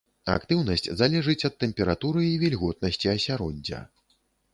Актыўнасць залежыць ад тэмпературы і вільготнасці асяроддзя.